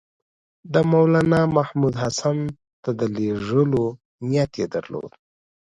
د مولنامحمود حسن ته د لېږلو نیت یې درلود.